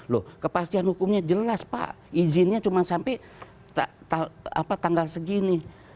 loh kepastian hukumnya jelas pak izinnya cuma sampai tanggal segini